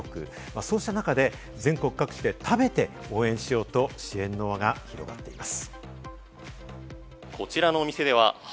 そうした中で全国各地で食べて応援しようと支援の輪が広がっています。